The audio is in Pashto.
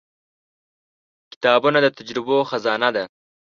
• کتابونه د تجربو خزانه ده.